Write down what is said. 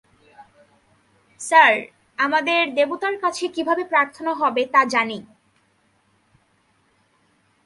Sir, আমাদের দেবতার কাছে কিভাবে প্রার্থনা হবে তা জানি।